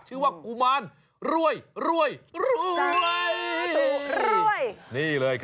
ชื่อว่ากุมารรวยรวยรวย